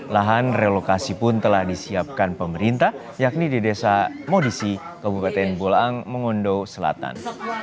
lahan relokasi pun telah disiapkan pemerintah yakni di desa modisi kabupaten bolaang mongondo selatan